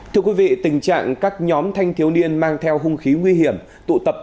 thưa quý vị tình trạng các nhóm thanh thiếu niên mang theo hung khí nguy hiểm tụ tập